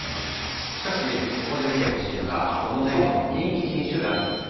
しかしここで見てほしいのがこのネコの人気品種ランキング。